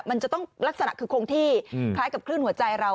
มันจะต้องลักษณะคือคงที่คล้ายกับคลื่นหัวใจเรา